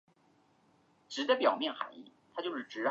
欧氏马先蒿为玄参科马先蒿属下的一个种。